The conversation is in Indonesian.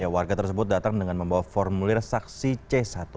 warga tersebut datang dengan membawa formulir saksi c satu